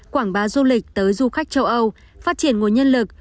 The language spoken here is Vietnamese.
quảng bá du lịch tới du khách châu âu phát triển nguồn nhân lực